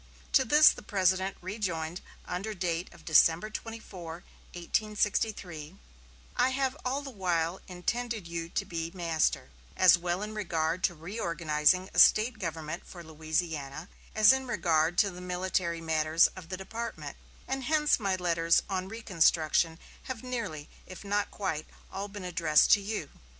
To this the President rejoined under date of December 24, 1863: "I have all the while intended you to be master, as well in regard to reorganizing a State government for Louisiana as in regard to the military matters of the department, and hence my letters on reconstruction have nearly, if not quite, all been addressed to you.